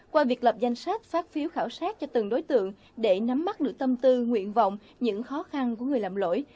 qua việc lập danh sách phát phiếu khảo sát cho từng đối tượng để nắm mắt được tâm tư nguyện vọng những khó khăn của người làm lỗi